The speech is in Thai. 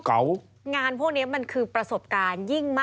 งานพวกนี้มันคือประสบการณ์ยิ่งมาก